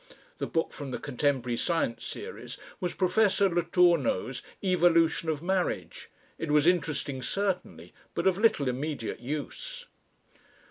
(The book from the Contemporary Science Series was Professor Letourneau's "Evolution of Marriage." It was interesting certainly, but of little immediate use.)